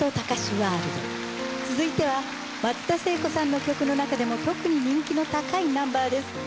ワールド続いては松田聖子さんの曲の中でも特に人気の高いナンバーです。